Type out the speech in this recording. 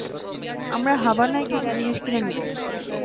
আমরা হাভানায় কিছু জিনিস কিনে নেব।